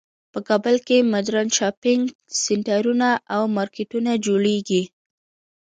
په کابل کې مدرن شاپینګ سینټرونه او مارکیټونه جوړیږی